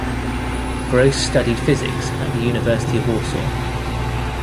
Gross studied physics at the University of Warsaw.